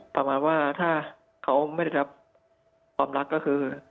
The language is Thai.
ประมาณว่าถ้าเขาไม่ได้รับความรักก็คือ